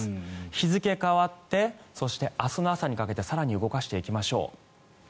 日付変わってそして、明日の朝にかけて更に動かしていきましょう。